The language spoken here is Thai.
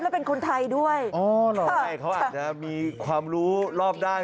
แล้วเป็นคนไทยด้วยอ๋อเหรอใช่เขาอาจจะมีความรู้รอบด้าน